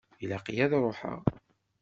Ilaq-iyi ad ruḥeɣ.